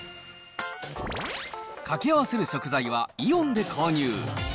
掛け合わせる食材は、イオンで購入。